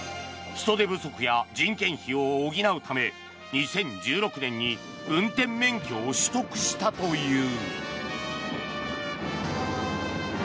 人手不足や人件費を補うため２０１６年に運転免許を取得したという。